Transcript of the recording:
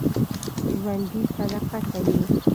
ژوندي صدقه کوي